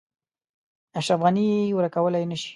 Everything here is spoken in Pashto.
اشرف غني یې ورکولای نه شي.